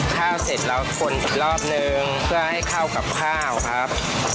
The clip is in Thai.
ข้าวเสร็จแล้วคนอีกรอบนึงเพื่อให้เข้ากับข้าวครับ